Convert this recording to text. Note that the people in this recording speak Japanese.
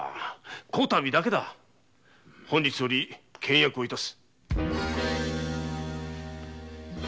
こ度だけだ本日より倹約を致す。